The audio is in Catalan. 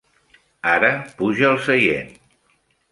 Ara puja al seient.